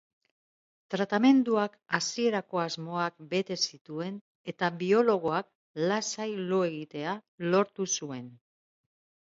Tratamenduak hasierako asmoak bete zituen eta biologoak lasai lo egitea lortu zuen.